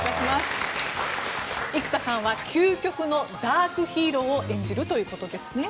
生田さんは究極のダークヒーローを演じるということですね。